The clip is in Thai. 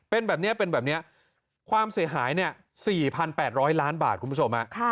เป็นแบบนี้เป็นแบบนี้ความเสียหาย๔๘๐๐ล้านบาทคุณผู้ชม